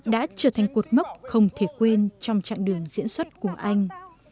đã trở thành cuộc mốc không thể quên trong trạng đường diễn xuất của anh